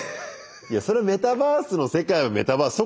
いやそれはメタバースの世界はメタバース。